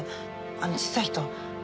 あの小さい人。